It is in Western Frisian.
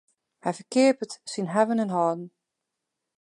Hy ferkeapet syn hawwen en hâlden.